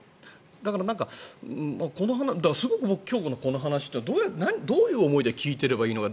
だから、すごく僕今日のこの話というのはどういう思いで聞いていたらいいのか。